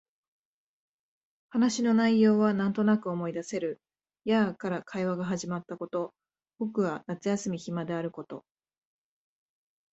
話の内容はなんとなく思い出せる。やあ、から会話が始まったこと、僕は夏休み暇であること、